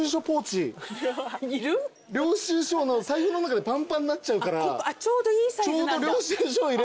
領収書財布の中でパンパンになっちゃうからちょうど領収書入れるのに。